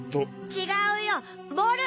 違うよボール。